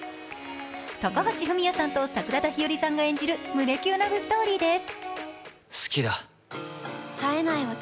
高橋文哉さんと桜田ひよりさんが演じる胸キュンラブストーリーです。